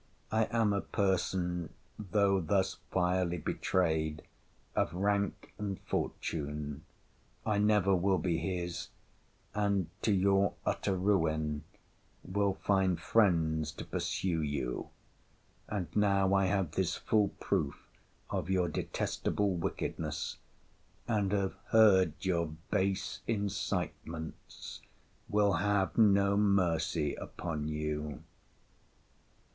I am a person, though thus vilely betrayed, of rank and fortune. I never will be his; and, to your utter ruin, will find friends to pursue you: and now I have this full proof of your detestable wickedness, and have heard your base incitements, will have no mercy upon you!